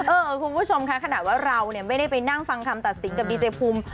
คุณผู้ชมค่ะขนาดว่าเราเนี่ยไม่ได้ไปนั่งฟังคำตัดสินกับดีเจภูมิ